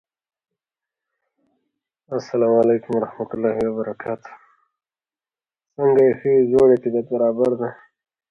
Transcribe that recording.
د مراد پام ځان ته راواووخته.